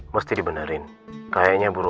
gak ada taksi aja mir